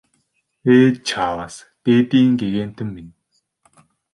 Ээ чааваас дээдийн гэгээнтэн минь!